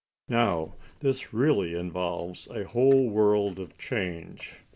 Now, this really involves a whole world of change.